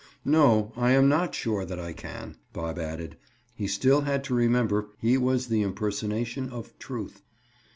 "No; I am not sure that I can," Bob added. He still had to remember he was the impersonation of Truth.